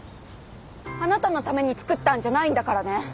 あなたのために作ったんじゃないんだからね！